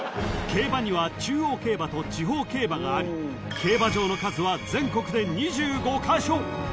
［競馬には中央競馬と地方競馬があり競馬場の数は全国で２５カ所］